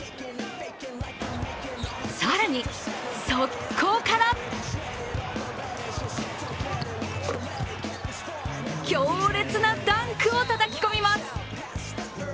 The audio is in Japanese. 更に、速攻から強烈なダンクをたたき込みます。